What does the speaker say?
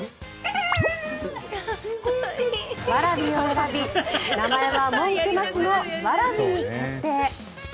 わらびを選び名前は文句なしのわらびに決定。